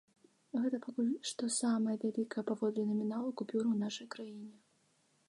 Гэта пакуль што самая вялікая паводле наміналу купюра ў нашай краіне.